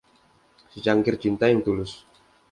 Secangkir cinta yang tulus.